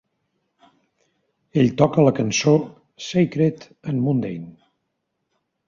Ell toca a la cançó "Sacred and Mundane".